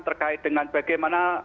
terkait dengan bagaimana